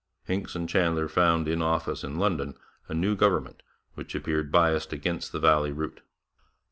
Hincks and Chandler found in office in London a new government which appeared biased against the valley route.